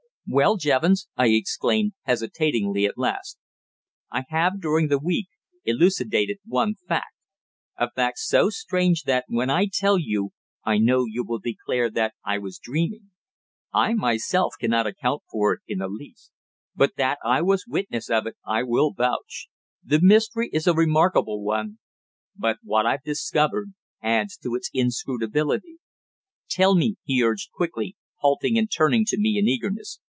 "Well, Jevons," I exclaimed, hesitatingly, at last, "I have during the week elucidated one fact, a fact so strange that, when I tell you, I know you will declare that I was dreaming. I myself cannot account for it in the least. But that I was witness of it I will vouch. The mystery is a remarkable one, but what I've discovered adds to its inscrutability." "Tell me," he urged quickly, halting and turning to me in eagerness.